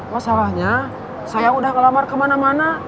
masalahnya saya udah kelamar kemana mana